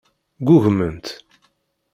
Ggugment.